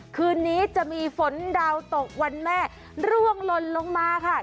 คืนนี้จะมีฝนดาวตกวันแม่ร่วงหล่นลงมาค่ะ